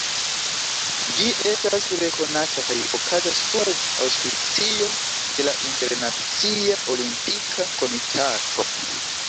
Ĝi estas rekonata kaj okazas sub aŭspicio de la Internacia Olimpika Komitato.